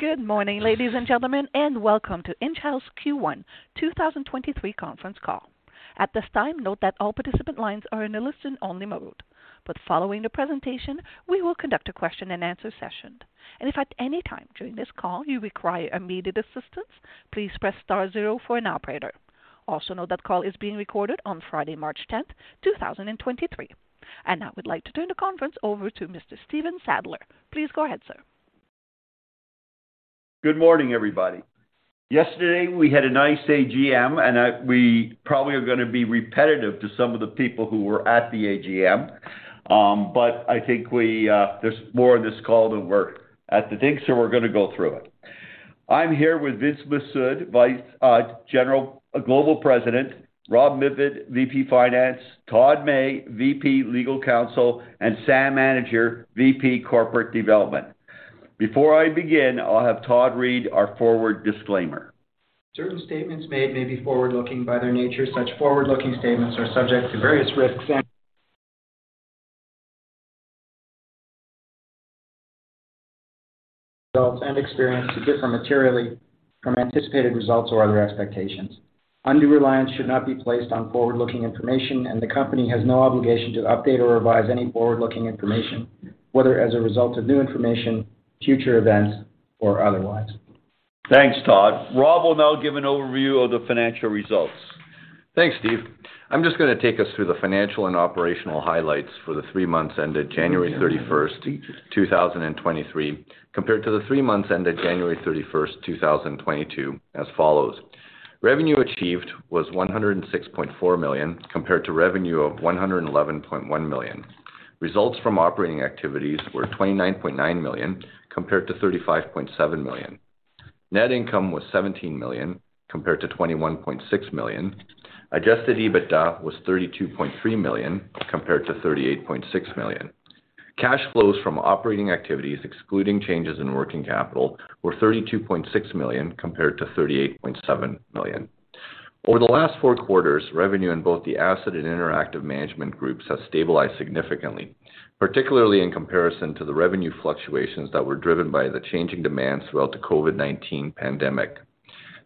Good morning, ladies and gentlemen, and welcome to Enghouse Q1 2023 Conference Call. At this time, note that all participant lines are in a listen-only mode, but following the presentation, we will conduct a question-and-answer session. If at any time during this call you require immediate assistance, please press star zero for an operator. Also note that call is being recorded on Friday, March 10th, 2023. Now I would like to turn the conference over to Mr. Stephen Sadler. Please go ahead, sir. Good morning, everybody. Yesterday, we had a nice AGM. We probably are gonna be repetitive to some of the people who were at the AGM. I think we, there's more on this call than were at the thing, so we're gonna go through it. I'm here with Vince Mifsud, Vice, Global President; Rob Medved, VP Finance; Todd May, VP Legal Counsel; and Sam Anidjar, VP Corporate Development. Before I begin, I'll have Todd read our forward disclaimer. Certain statements made may be forward-looking by their nature. Such forward-looking statements are subject to various risks and results and experience to differ materially from anticipated results or other expectations. Undue reliance should not be placed on forward-looking information, and the company has no obligation to update or revise any forward-looking information, whether as a result of new information, future events, or otherwise. Thanks, Todd. Rob will now give an overview of the financial results. Thanks, Steve. I'm just gonna take us through the financial and operational highlights for the three months ended January 31st, 2023, compared to the three months ended January 31st, 2022, as follows. Revenue achieved was 106.4 million, compared to revenue of 111.1 million. Results from operating activities were 29.9 million, compared to 35.7 million. Net income was 17 million, compared to 21.6 million. Adjusted EBITDA was 32.3 million, compared to 38.6 million. Cash flows from operating activities, excluding changes in working capital, were 32.6 million, compared to 38.7 million. Over the last four quarters, revenue in both the Asset Management Group and Interactive Management Group has stabilized significantly, particularly in comparison to the revenue fluctuations that were driven by the changing demands throughout the COVID-19 pandemic.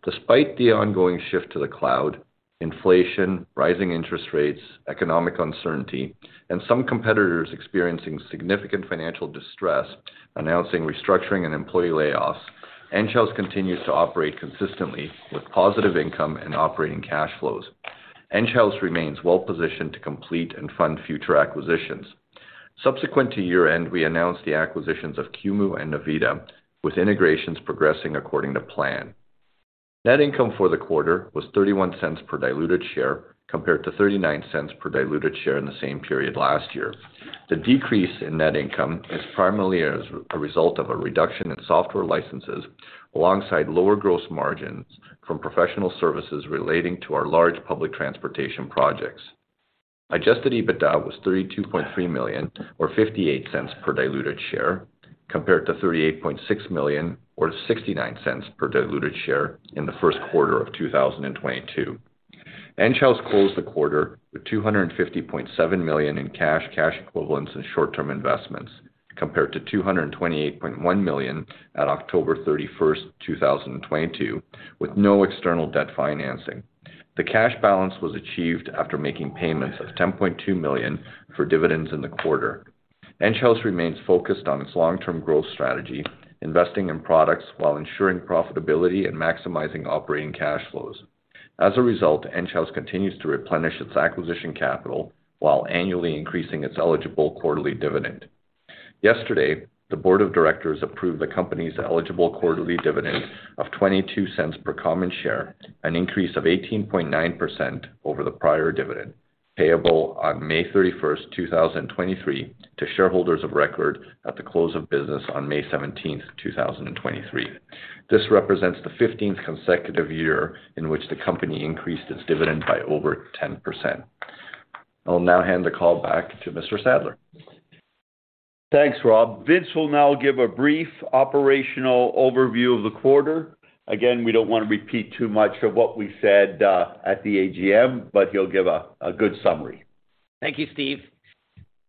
Despite the ongoing shift to the cloud, inflation, rising interest rates, economic uncertainty, and some competitors experiencing significant financial distress, announcing restructuring and employee layoffs, Enghouse continues to operate consistently with positive income and operating cash flows. Enghouse remains well-positioned to complete and fund future acquisitions. Subsequent to year-end, we announced the acquisitions of Qumu and Navita, with integrations progressing according to plan. Net income for the quarter was 0.31 per diluted share, compared to 0.39 per diluted share in the same period last year. The decrease in net income is primarily as a result of a reduction in software licenses alongside lower gross margins from professional services relating to our large public transportation projects. Adjusted EBITDA was 32.3 million or 0.58 per diluted share, compared to 38.6 million or 0.69 per diluted share in the first quarter of 2022. Enghouse closed the quarter with 250.7 million in cash equivalents and short-term investments, compared to 228.1 million at October 31st, 2022, with no external debt financing. The cash balance was achieved after making payments of 10.2 million for dividends in the quarter. Enghouse remains focused on its long-term growth strategy, investing in products while ensuring profitability and maximizing operating cash flows. As a result, Enghouse continues to replenish its acquisition capital while annually increasing its eligible quarterly dividend. Yesterday, the board of directors approved the company's eligible quarterly dividend of 0.22 per common share, an increase of 18.9% over the prior dividend, payable on May 31st, 2023 to shareholders of record at the close of business on May 17th, 2023. This represents the 15th consecutive year in which the company increased its dividend by over 10%. I'll now hand the call back to Mr. Sadler. Thanks, Rob. Vince will now give a brief operational overview of the quarter. Again, we don't wanna repeat too much of what we said, at the AGM, but he'll give a good summary. Thank you, Steve.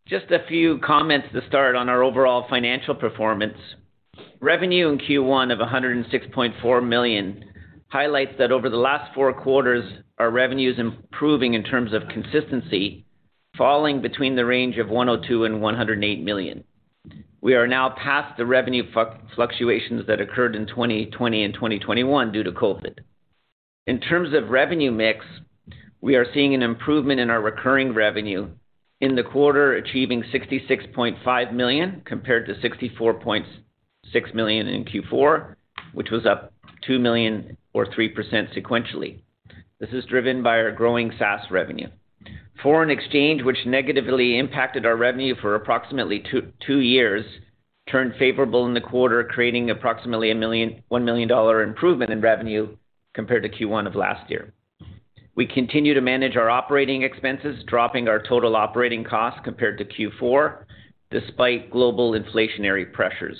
Just a few comments to start on our overall financial performance. Revenue in Q1 of 106.4 million highlights that over the last four quarters, our revenue's improving in terms of consistency, falling between the range of 102 million and 108 million. We are now past the revenue fluctuations that occurred in 2020 and 2021 due to COVID. In terms of revenue mix, we are seeing an improvement in our recurring revenue, in the quarter achieving 66.5 million compared to 64.6 million in Q4, which was up 2 million or 3% sequentially. This is driven by our growing SaaS revenue. Foreign exchange, which negatively impacted our revenue for approximately two years, turned favorable in the quarter, creating approximately a 1 million dollar improvement in revenue compared to Q1 of last year. We continue to manage our operating expenses, dropping our total operating costs compared to Q4, despite global inflationary pressures.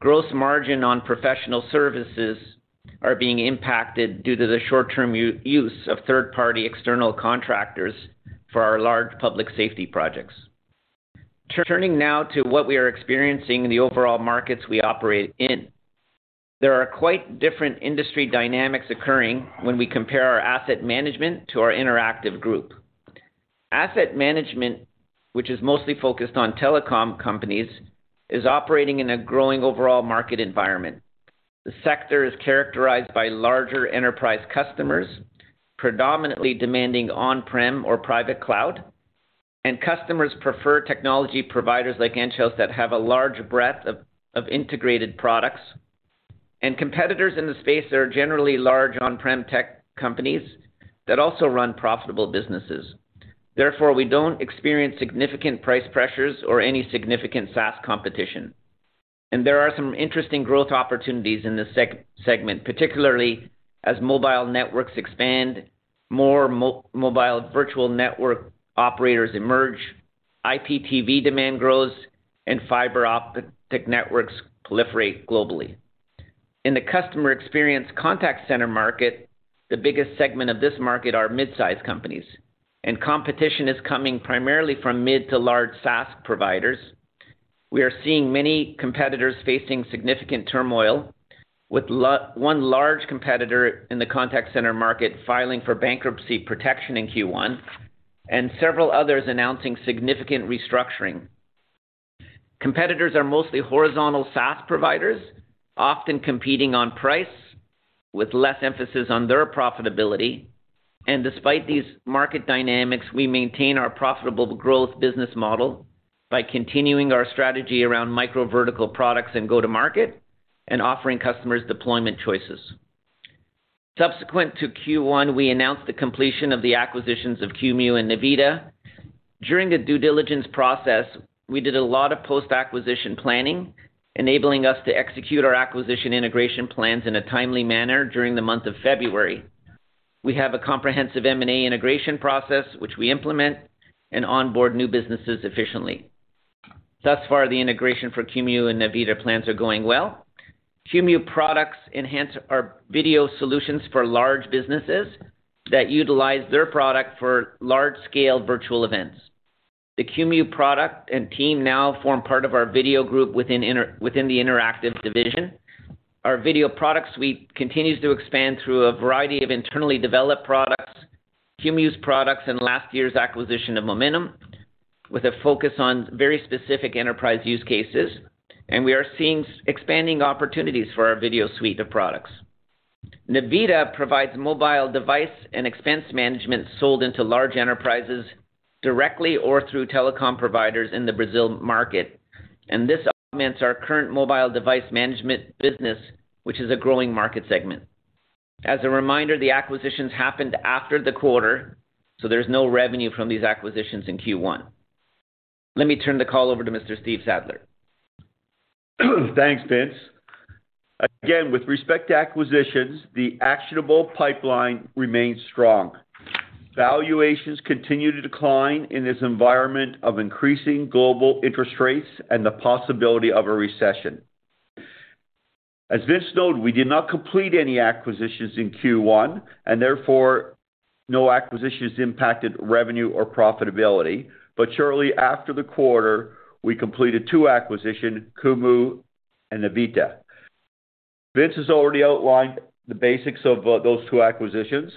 Gross margin on professional services are being impacted due to the short-term use of third-party external contractors for our large public safety projects. Turning now to what we are experiencing in the overall markets we operate in. There are quite different industry dynamics occurring when we compare our Asset Management to our Interactive Group. Asset Management, which is mostly focused on telecom companies, is operating in a growing overall market environment. The sector is characterized by larger enterprise customers, predominantly demanding on-prem or private cloud. Customers prefer technology providers like Enghouse that have a large breadth of integrated products. Competitors in the space are generally large on-prem tech companies that also run profitable businesses. Therefore, we don't experience significant price pressures or any significant SaaS competition. There are some interesting growth opportunities in this segment, particularly as mobile networks expand, more mobile virtual network operators emerge, IPTV demand grows, and fiber optic networks proliferate globally. In the customer experience contact center market, the biggest segment of this market are mid-sized companies. Competition is coming primarily from mid to large SaaS providers. We are seeing many competitors facing significant turmoil, with one large competitor in the contact center market filing for bankruptcy protection in Q1 and several others announcing significant restructuring. Competitors are mostly horizontal SaaS providers, often competing on price with less emphasis on their profitability. Despite these market dynamics, we maintain our profitable growth business model by continuing our strategy around microvertical products and go-to-market and offering customers deployment choices. Subsequent to Q1, we announced the completion of the acquisitions of Qumu and Navita. During the due diligence process, we did a lot of post-acquisition planning, enabling us to execute our acquisition integration plans in a timely manner during the month of February. We have a comprehensive M&A integration process, which we implement and onboard new businesses efficiently. Thus far, the integration for Qumu and Navita plans are going well. Qumu products enhance our video solutions for large businesses that utilize their product for large-scale virtual events. The Qumu product and team now form part of our video group within the interactive division. Our video product suite continues to expand through a variety of internally developed products, Qumu's products in last year's acquisition of Momindum, with a focus on very specific enterprise use cases. We are seeing expanding opportunities for our video suite of products. Navita provides mobile device and expense management sold into large enterprises directly or through telecom providers in the Brazil market. This augments our current mobile device management business, which is a growing market segment. As a reminder, the acquisitions happened after the quarter. There's no revenue from these acquisitions in Q1. Let me turn the call over to Mr. Stephen Sadler. Thanks, Vince. With respect to acquisitions, the actionable pipeline remains strong. Valuations continue to decline in this environment of increasing global interest rates and the possibility of a recession. As Vince noted, we did not complete any acquisitions in Q1, and therefore, no acquisitions impacted revenue or profitability. Shortly after the quarter, we completed two acquisitions, Qumu and Navita. Vince has already outlined the basics of those two acquisitions.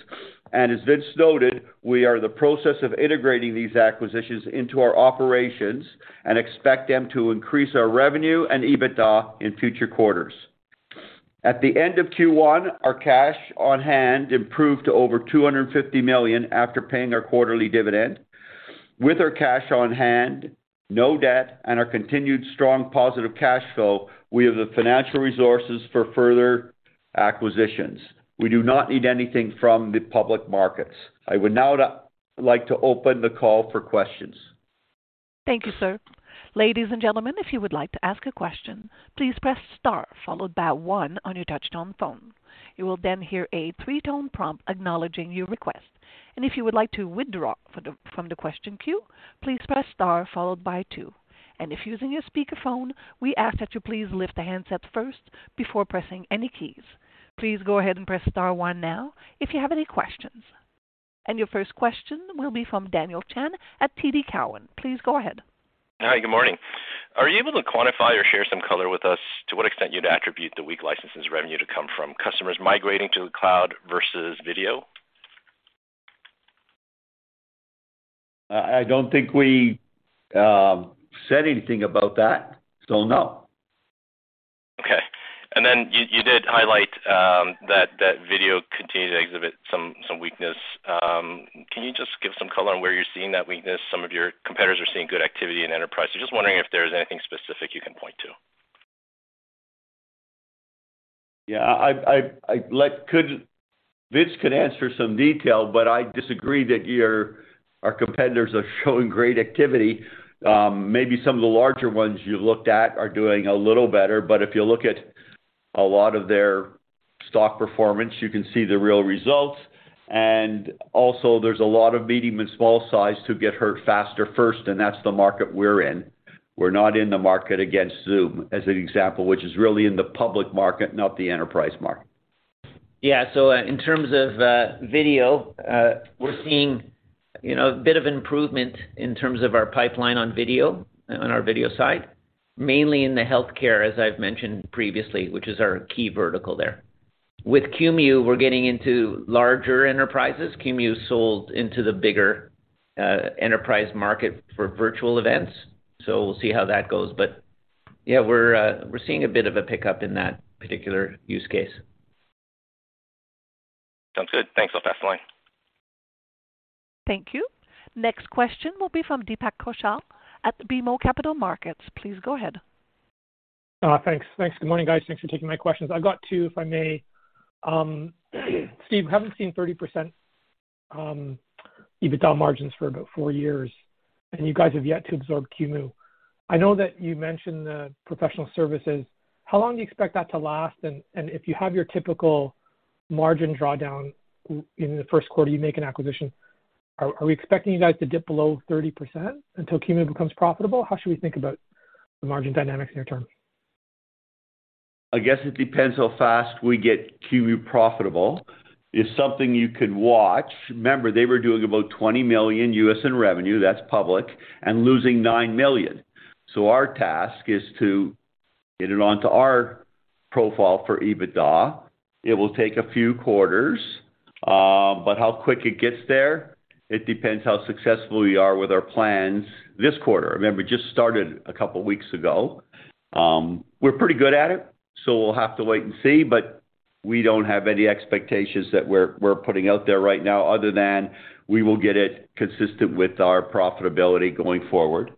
As Vince noted, we are in the process of integrating these acquisitions into our operations and expect them to increase our revenue and EBITDA in future quarters. At the end of Q1, our cash on hand improved to over 250 million after paying our quarterly dividend. With our cash on hand, no debt, and our continued strong positive cash flow, we have the financial resources for further acquisitions. We do not need anything from the public markets. I would now like to open the call for questions. Thank you, sir. Ladies and gentlemen, if you would like to ask a question, please press star followed by one on your touchtone phone. You will then hear a three-tone prompt acknowledging your request. If you would like to withdraw from the question queue, please press star followed by two. If using your speaker phone, we ask that you please lift the handset first before pressing any keys. Please go ahead and press star one now if you have any questions. Your first question will be from Daniel Chan at TD Cowen. Please go ahead. Hi, good morning. Are you able to quantify or share some color with us to what extent you'd attribute the weak licenses revenue to come from customers migrating to the cloud versus video? I don't think we said anything about that. No. Okay. You did highlight, that video continued to exhibit some weakness. Can you just give some color on where you're seeing that weakness? Some of your competitors are seeing good activity in enterprise. Just wondering if there's anything specific you can point to. Yeah. I've Vince could answer some detail, but I disagree that our competitors are showing great activity. Maybe some of the larger ones you looked at are doing a little better, but if you look at a lot of their stock performance, you can see the real results. Also there's a lot of medium and small size who get hurt faster first, and that's the market we're in. We're not in the market against Zoom, as an example, which is really in the public market, not the enterprise market. Yeah. In terms of video, we're seeing, you know, a bit of improvement in terms of our pipeline on video, on our video side, mainly in the healthcare, as I've mentioned previously, which is our key vertical there. With Qumu, we're getting into larger enterprises. Qumu sold into the bigger, enterprise market for virtual events, so we'll see how that goes. Yeah, we're seeing a bit of a pickup in that particular use case. Sounds good. Thanks. I'll pass the line. Thank you. Next question will be from Deepak Kaushal at the BMO Capital Markets. Please go ahead. Thanks. Good morning, guys. Thanks for taking my questions. I've got two, if I may. Steve, haven't seen 30% EBITDA margins for about four years, and you guys have yet to absorb Qumu. I know that you mentioned the professional services. How long do you expect that to last? If you have your typical margin drawdown in the first quarter, you make an acquisition. Are we expecting you guys to dip below 30% until Qumu becomes profitable? How should we think about the margin dynamics near-term? I guess it depends how fast we get Qumu profitable. It's something you could watch. Remember, they were doing about $20 million US in revenue, that's public, and losing $9 million. Our task is to get it onto our profile for EBITDA. It will take a few quarters, but how quick it gets there, it depends how successful we are with our plans this quarter. Remember, we just started a couple weeks ago. We're pretty good at it, so we'll have to wait and see, but we don't have any expectations that we're putting out there right now other than we will get it consistent with our profitability going forward.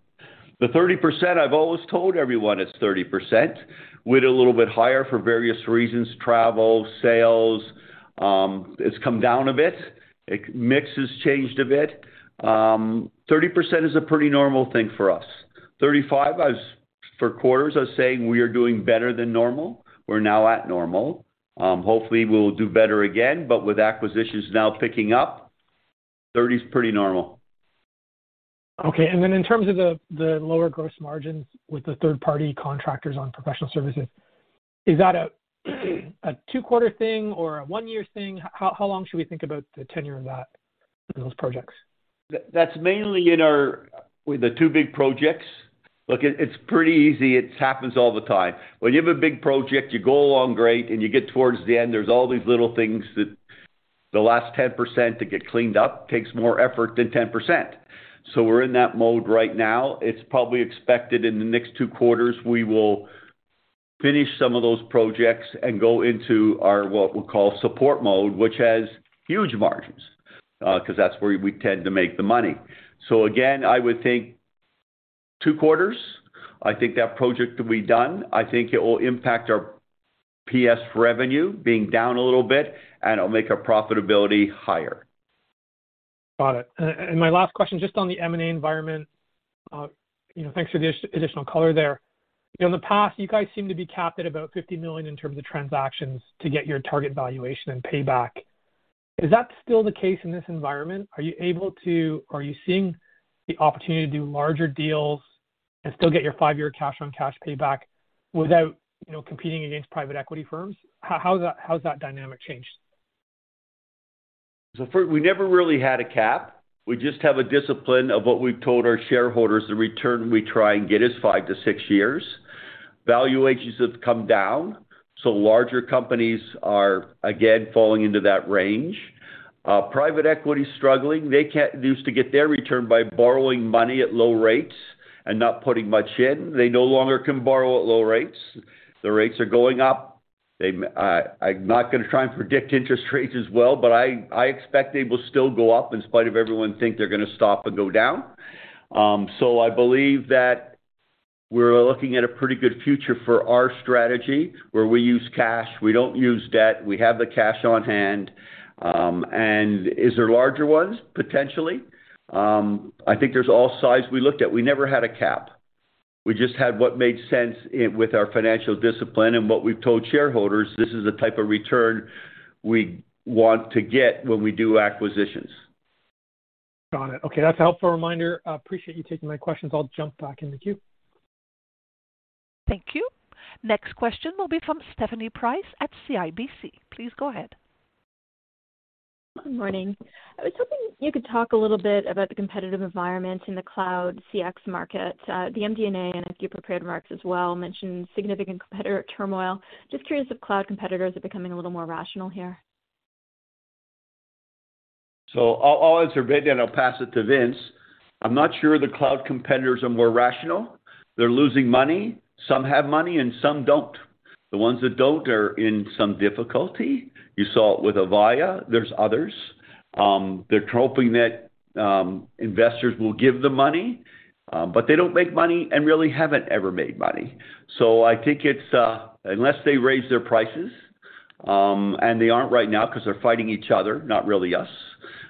The 30%, I've always told everyone it's 30%. We had a little bit higher for various reasons: travel, sales. It's come down a bit. Mix has changed a bit. 30% is a pretty normal thing for us. 35%, for quarters, I was saying we are doing better than normal. We're now at normal. Hopefully we'll do better again, but with acquisitions now picking up, 30% is pretty normal. Okay. Then in terms of the lower gross margins with the third-party contractors on professional services, is that a two-quarter thing or a one-year thing? How long should we think about the tenure of that in those projects? That's mainly with the two big projects. Look, it's pretty easy. It happens all the time. When you have a big project, you go along great and you get towards the end, there's all these little things that the last 10% to get cleaned up takes more effort than 10%. We're in that mode right now. It's probably expected in the next two quarters, we will finish some of those projects and go into our, what we call support mode, which has huge margins, 'cause that's where we tend to make the money. Again, I would think two quarters, I think that project will be done. I think it will impact our PS revenue being down a little bit, and it'll make our profitability higher. Got it. My last question, just on the M&A environment, you know, thanks for the additional color there. You know, in the past, you guys seem to be capped at about 50 million in terms of transactions to get your target valuation and payback. Is that still the case in this environment? Are you seeing the opportunity to do larger deals and still get your five-year cash on cash payback without, you know, competing against private equity firms? How's that dynamic changed? First, we never really had a cap. We just have a discipline of what we've told our shareholders the return we try and get is five to six years. Valuations have come down, larger companies are again falling into that range. Private equity is struggling. They used to get their return by borrowing money at low rates and not putting much in. They no longer can borrow at low rates. The rates are going up. I'm not gonna try and predict interest rates as well, but I expect they will still go up in spite of everyone think they're gonna stop and go down. I believe that we're looking at a pretty good future for our strategy, where we use cash. We don't use debt. We have the cash on hand. Is there larger ones? Potentially. I think there's all sides we looked at. We never had a cap. We just had what made sense with our financial discipline and what we've told shareholders, this is the type of return we want to get when we do acquisitions. Got it. Okay. That's a helpful reminder. I appreciate you taking my questions. I'll jump back in the queue. Thank you. Next question will be from Stephanie Price at CIBC. Please go ahead. Morning. I was hoping you could talk a little bit about the competitive environment in the cloud CX market. The MD&A, and I think your prepared remarks as well, mentioned significant competitor turmoil. Just curious if cloud competitors are becoming a little more rational here. I'll answer briefly, and I'll pass it to Vince. I'm not sure the cloud competitors are more rational. They're losing money. Some have money and some don't. The ones that don't are in some difficulty. You saw it with Avaya. There's others. They're hoping that investors will give them money, but they don't make money and really haven't ever made money. I think it's unless they raise their prices, and they aren't right now 'cause they're fighting each other, not really us,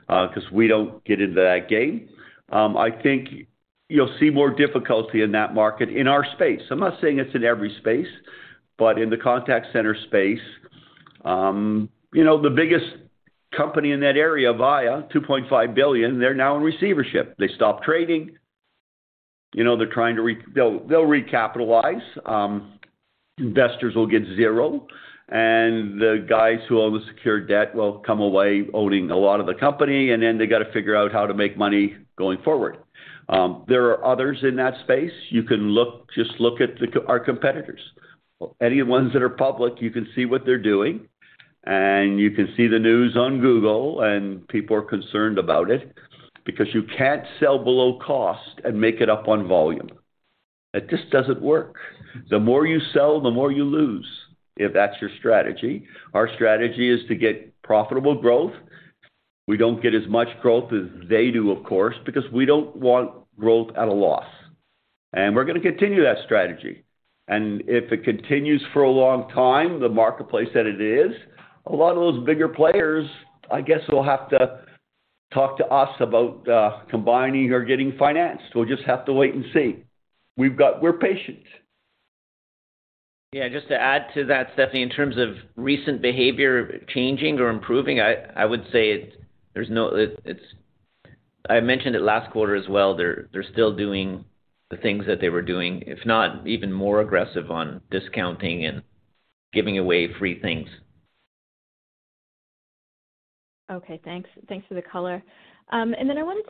'cause we don't get into that game. I think you'll see more difficulty in that market in our space. I'm not saying it's in every space, but in the contact center space. You know, the biggest company in that area, Avaya, $2.5 billion, they're now in receivership. They stopped trading. You know, they're trying to They'll recapitalize, investors will get zero, and the guys who own the secure debt will come away owning a lot of the company, and then they gotta figure out how to make money going forward. There are others in that space. Our competitors. Any ones that are public, you can see what they're doing, and you can see the news on Google, and people are concerned about it because you can't sell below cost and make it up on volume. It just doesn't work. The more you sell, the more you lose if that's your strategy. Our strategy is to get profitable growth. We don't get as much growth as they do, of course, because we don't want growth at a loss. We're gonna continue that strategy. If it continues for a long time, the marketplace that it is, a lot of those bigger players, I guess, will have to talk to us about combining or getting financed. We'll just have to wait and see. We're patient. Yeah. Just to add to that, Stephanie, in terms of recent behavior changing or improving, I would say I mentioned it last quarter as well, they're still doing the things that they were doing, if not even more aggressive on discounting and giving away free things. Okay, thanks. Thanks for the color. Then I wanted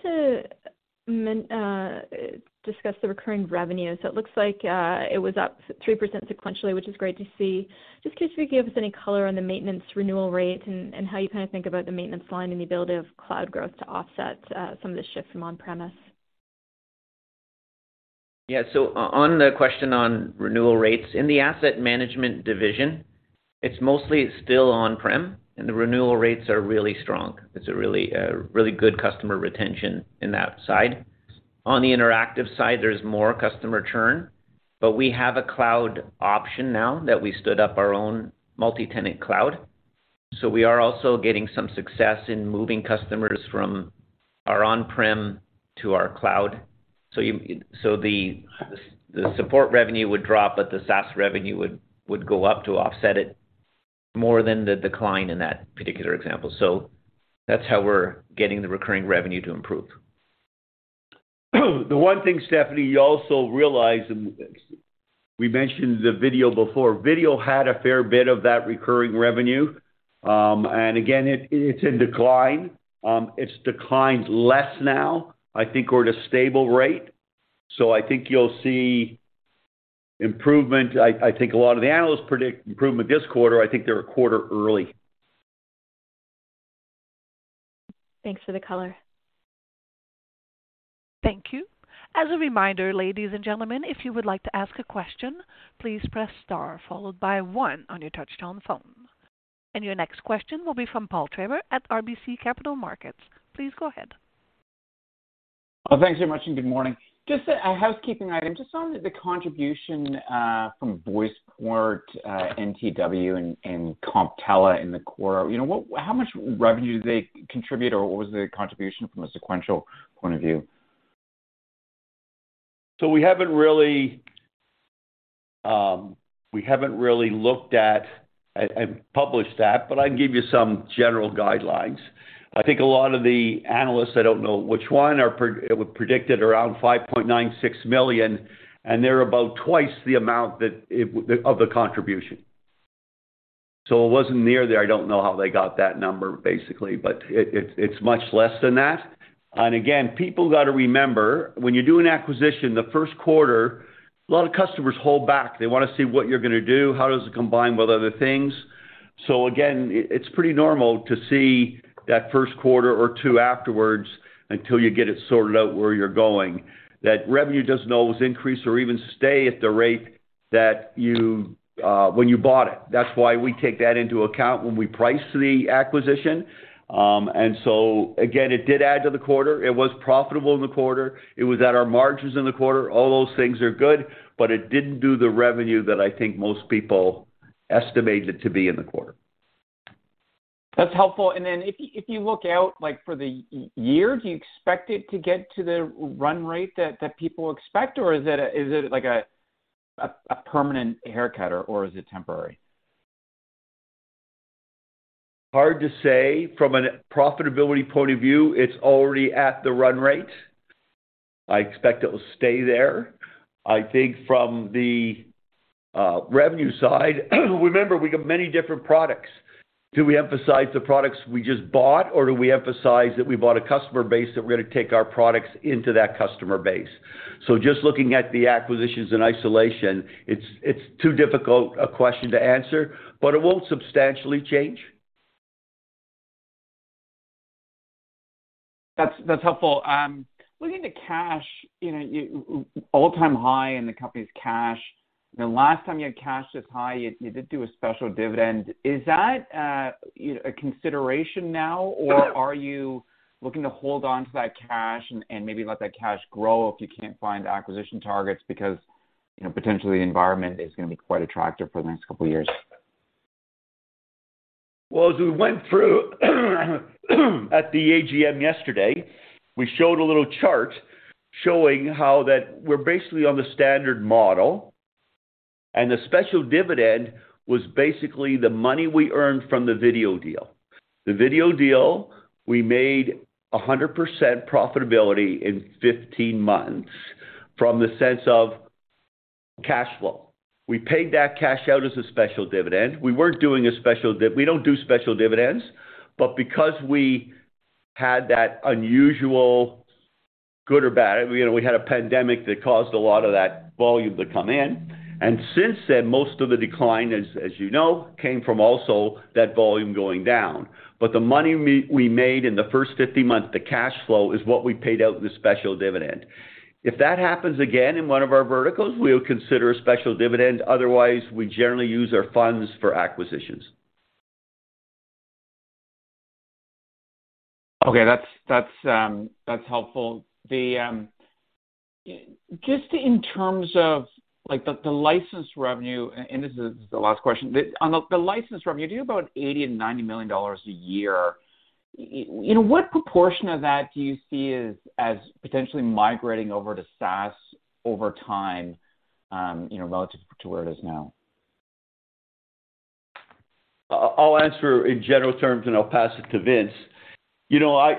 to discuss the recurring revenue. It looks like it was up 3% sequentially, which is great to see. Just, can you just give us any color on the maintenance renewal rates and how you kinda think about the maintenance line and the ability of cloud growth to offset some of the shift from on-premise? Yeah. On the question on renewal rates. In the Asset Management division, it's mostly still on-prem, and the renewal rates are really strong. It's a really good customer retention in that side. On the Interactive side, there's more customer churn, but we have a cloud option now that we stood up our own multi-tenant cloud. We are also getting some success in moving customers from our on-prem to our cloud. The support revenue would drop, but the SaaS revenue would go up to offset it more than the decline in that particular example. That's how we're getting the recurring revenue to improve. The one thing, Stephanie, you also realize, and we mentioned the video before. Video had a fair bit of that recurring revenue. Again, it's in decline. It's declined less now. I think we're at a stable rate. I think you'll see improvement. I think a lot of the analysts predict improvement this quarter. I think they're a quarter early. Thanks for the color. Thank you. As a reminder, ladies and gentlemen, if you would like to ask a question, please press star followed by one on your touchtone phone. Your next question will be from Paul Treiber at RBC Capital Markets. Please go ahead. Well, thanks very much, and good morning. Just a housekeeping item. Just on the contribution from VoicePort, NTW and Competella in the quarter. You know what, how much revenue they contribute or what was the contribution from a sequential point of view? We haven't really looked at and published that, but I can give you some general guidelines. I think a lot of the analysts, I don't know which one, are predicted around 5.96 million, and they're about twice the amount of the contribution. It wasn't near there. I don't know how they got that number, basically, but it's much less than that. Again, people got to remember, when you do an acquisition, the first quarter, a lot of customers hold back. They wanna see what you're gonna do, how does it combine with other things. Again, it's pretty normal to see that first quarter or two afterwards until you get it sorted out where you're going, that revenue doesn't always increase or even stay at the rate that you when you bought it. That's why we take that into account when we price the acquisition. Again, it did add to the quarter. It was profitable in the quarter. It was at our margins in the quarter. All those things are good, but it didn't do the revenue that I think most people estimated to be in the quarter. That's helpful. If you look out, like, for the year, do you expect it to get to the run rate that people expect? Or is it a—is it, like, a permanent haircutter or is it temporary? Hard to say. From a profitability point of view, it's already at the run rate. I expect it will stay there. I think from the revenue side, remember, we've got many different products. Do we emphasize the products we just bought or do we emphasize that we bought a customer base that we're gonna take our products into that customer base? Just looking at the acquisitions in isolation, it's too difficult a question to answer, but it won't substantially change. That's, that's helpful. Looking at cash, you know, all-time high in the company's cash. The last time you had cash this high, you did do a special dividend. Is that, you know, a consideration now? Or are you looking to hold on to that cash and maybe let that cash grow if you can't find acquisition targets because, you know, potentially the environment is gonna be quite attractive for the next couple of years? Well, as we went through at the AGM yesterday, we showed a little chart showing how that we're basically on the standard model. The special dividend was basically the money we earned from the video deal. The video deal, we made 100% profitability in 15 months from the sense of cash flow. We paid that cash out as a special dividend. We don't do special dividends, but because we had that unusual, good or bad, you know, we had a pandemic that caused a lot of that volume to come in. Since then, most of the decline, as you know, came from also that volume going down. The money we made in the first 50 months, the cash flow, is what we paid out in the special dividend. If that happens again in one of our verticals, we'll consider a special dividend. Otherwise, we generally use our funds for acquisitions. Okay. That's helpful. Just in terms of, like, the license revenue, and this is the last question. On the license revenue, you do about 80 million-90 million dollars a year. You know, what proportion of that do you see as potentially migrating over to SaaS over time, you know, relative to where it is now? I'll answer in general terms, and I'll pass it to Vince. You know,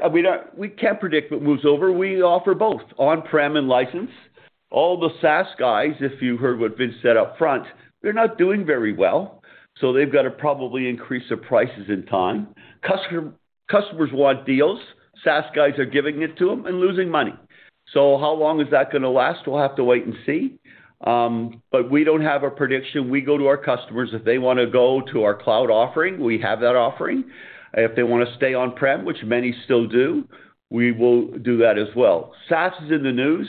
we can't predict what moves over. We offer both on-prem and license. All the SaaS guys, if you heard what Vince said up front, they're not doing very well, so they've got to probably increase their prices in time. Customers want deals, SaaS guys are giving it to them and losing money. How long is that gonna last? We'll have to wait and see. We don't have a prediction. We go to our customers. If they wanna go to our cloud offering, we have that offering. If they wanna stay on-prem, which many still do, we will do that as well. SaaS is in the news,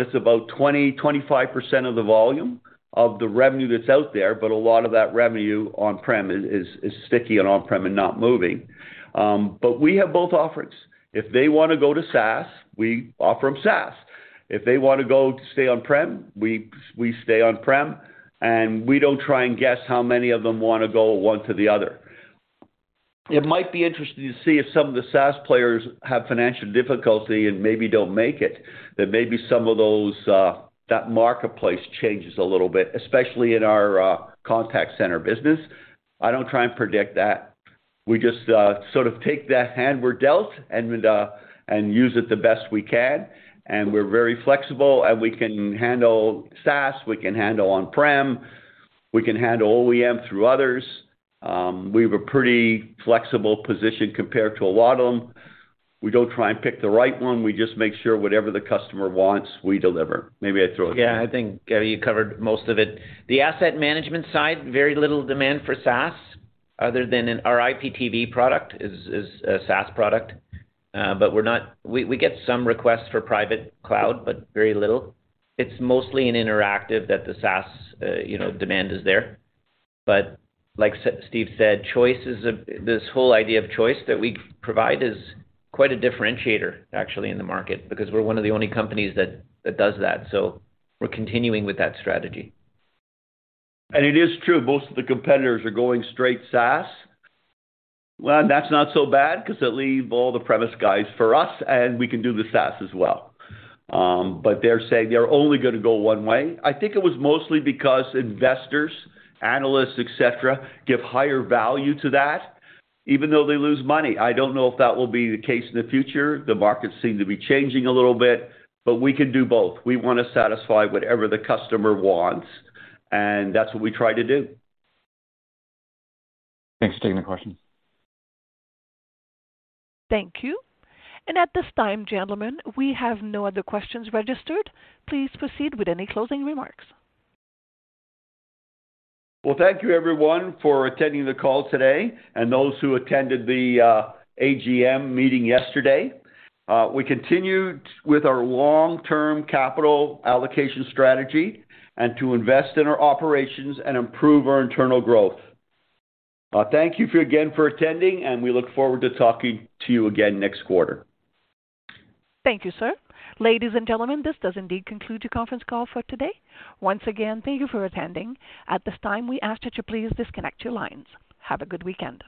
it's about 20-25% of the volume of the revenue that's out there, but a lot of that revenue on-prem is sticky and on-prem and not moving. We have both offerings. If they wanna go to SaaS, we offer them SaaS. If they wanna go to stay on-prem, we stay on-prem, and we don't try and guess how many of them wanna go one to the other. It might be interesting to see if some of the SaaS players have financial difficulty and maybe don't make it. Maybe some of those that marketplace changes a little bit, especially in our contact center business. I don't try and predict that. We just sort of take the hand we're dealt and use it the best we can. We're very flexible. We can handle SaaS, we can handle on-prem, we can handle OEM through others. We have a pretty flexible position compared to a lot of them. We don't try and pick the right one. We just make sure whatever the customer wants, we deliver. Maybe I throw it to you. Yeah, I think, Steve, you covered most of it. The Asset Management side, very little demand for SaaS other than in our IPTV product is a SaaS product. But we get some requests for private cloud, but very little. It's mostly in Interactive that the SaaS, you know, demand is there. But like Stephen Sadler said, this whole idea of choice that we provide is quite a differentiator actually in the market because we're one of the only companies that does that. We're continuing with that strategy. It is true, both of the competitors are going straight SaaS. That's not so bad because it leave all the premise guys for us, and we can do the SaaS as well. They're saying they're only gonna go one way. I think it was mostly because investors, analysts, et cetera, give higher value to that even though they lose money. I don't know if that will be the case in the future. The markets seem to be changing a little bit. We can do both. We wanna satisfy whatever the customer wants, and that's what we try to do. Thanks for taking the question. Thank you. At this time, gentlemen, we have no other questions registered. Please proceed with any closing remarks. Thank you everyone for attending the call today and those who attended the AGM meeting yesterday. We continued with our long-term capital allocation strategy and to invest in our operations and improve our internal growth. Thank you again for attending, and we look forward to talking to you again next quarter. Thank you, sir. Ladies and gentlemen, this does indeed conclude the conference call for today. Once again, thank you for attending. At this time, we ask that you please disconnect your lines. Have a good weekend.